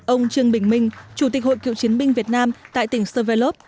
ông trương bình minh chủ tịch hội cựu chiến binh việt nam tại tỉnh svelov